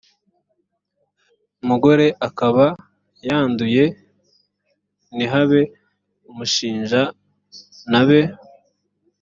mugore akaba yanduye ntihabe umushinja ntabe